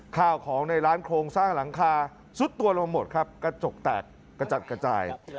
ข้าวของในร้านโครงสร้างหลังคาซุดตัวลงหมดครับกระจกแตกกระจัดกระจาย